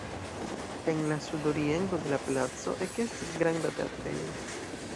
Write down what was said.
En la sudoriento de la placo ekestis granda teatrejo.